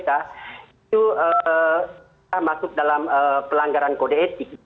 itu masuk dalam pelanggaran kode etik